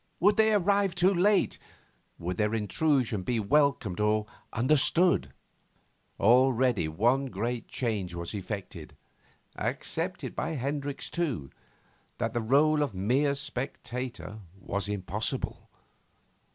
Would they arrive too late? Would their intrusion be welcomed or understood? Already one great change was effected accepted by Hendricks, too that the rôle of mere spectator was impossible.